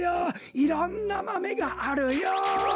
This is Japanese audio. いろんなマメがあるよ。